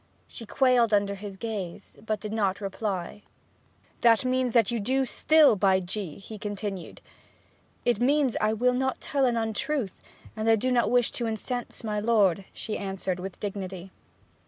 She quailed under his gaze, but did not reply. 'That means that you do still, by G !' he continued. 'It means that I will not tell an untruth, and do not wish to incense my lord,' she answered, with dignity.